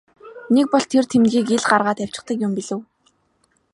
Нэг бол тэр тэмдгийг ил гаргаад тавьчихдаг юм билүү.